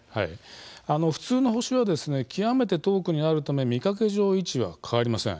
普通の星は極めて遠くにあるため見かけ上、位置は変わりません。